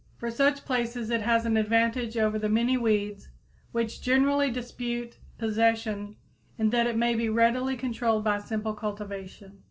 For such places it has an advantage over the many weeds which generally dispute possession in that it may be readily controlled by simple cultivation.